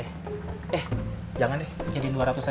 eh jangan deh bikinin dua ratus aja